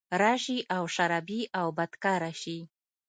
راشي او شرابي او بدکرداره شي